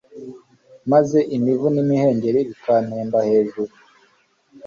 maze imivu n'imihengeri bikantemba hejuru